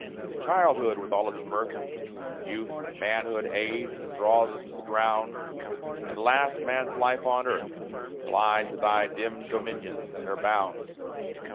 Childhood, with all its mirth, Youth, Manhood, Age, that draws us to the ground, And last, Man's Life on earth, Glide to thy dim dominions, and are bound.